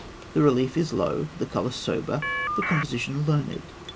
The relief is low; the colour sober; the composition learned.